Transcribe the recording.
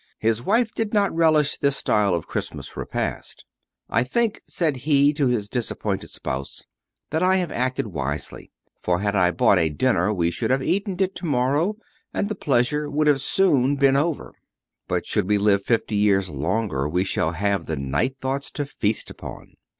His wife did not relish this style of Christmas repast. "I think," said he to his disappointed spouse, "that I have acted wisely; for had I bought a dinner we should have eaten it to morrow, and the pleasure would have been soon over; but should we live fifty years longer we shall have the 'Night Thoughts' to feast upon."